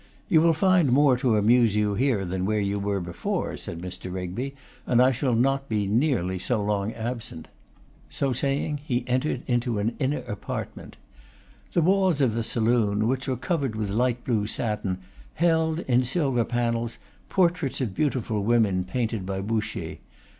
'You will find more to amuse you here than where you were before,' said Mr. Rigby, 'and I shall not be nearly so long absent.' So saying, he entered into an inner apartment. The walls of the saloon, which were covered with light blue satin, held, in silver panels, portraits of beautiful women, painted by Boucher.